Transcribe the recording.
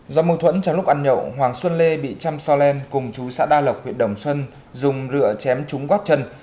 do mùi thuẫn trong lúc ăn nhậu hoàng xuân lê bị chăm so len cùng chú xã đa lộc huyện đồng xuân dùng rửa chém trúng quát chân